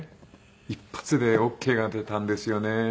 一発でオーケーが出たんですよね。